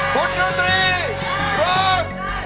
คุณหนูตีร์รวม